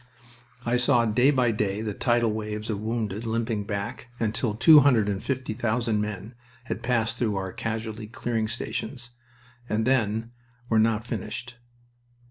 I saw day by day the tidal waves of wounded limping back, until two hundred and fifty thousand men had passed through our casualty clearing stations, and then were not finished.